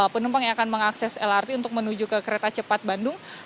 penumpang yang akan mengakses lrt untuk menuju ke kereta cepat bandung